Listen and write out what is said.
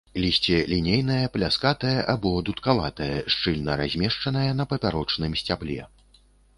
Лісце лінейнае, пляскатае або дудкаватае, шчыльна размешчанае на папярочным сцябле.